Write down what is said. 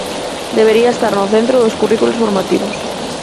Debería estar no centro dos currículos formativos.